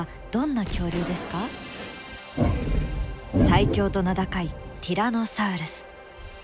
最強と名高いティラノサウルス。